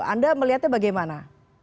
anda melihatnya bagaimana